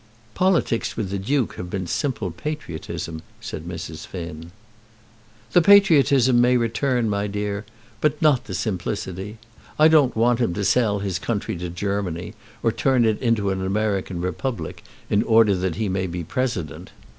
"Politics with the Duke have been simple patriotism," said Mrs. Finn. "The patriotism may remain, my dear, but not the simplicity. I don't want him to sell his country to Germany, or to turn it into an American republic in order that he may be president.